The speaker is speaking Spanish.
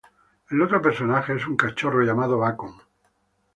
El otro personaje es un cachorro llamado Bacon.